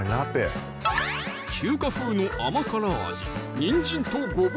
中華風の甘辛味